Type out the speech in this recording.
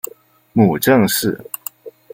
母郑氏。